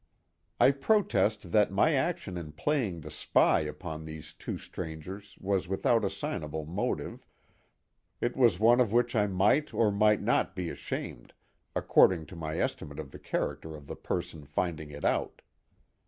I protest that my action in playing the spy upon these two strangers was without assignable motive. It was one of which I might or might not be ashamed, according to my estimate of the character of the person finding it out.